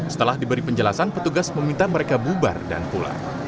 setelah diberi penjelasan petugas meminta mereka bubar dan pulang